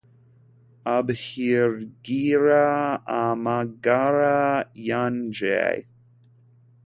abahigira amagara yanjye